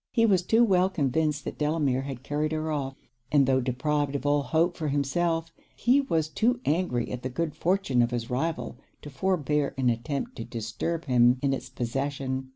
He was too well convinced that Delamere had carried her off: and though deprived of all hope for himself, he was too angry at the good fortune of his rival to forbear an attempt to disturb him in it's possession.